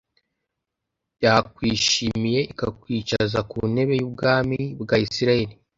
yakwishimiye ikakwicaza ku ntebe y'ubwami bwa isirayeli